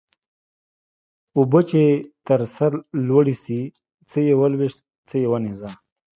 اوبه چې تر سر لوړي سي څه يوه لويشت څه يو نيزه.